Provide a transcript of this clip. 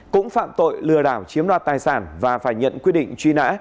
cũng phạm tội lừa đảo chiếm đoạt tài sản và phải nhận quyết định truy nã